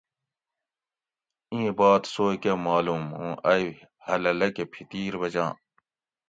ایں بات سوئے کہ معلوم اوں ائی ہلہ لکہ پھتیر بچاں